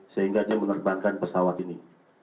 sehingga dia menerbangkan pesawat ini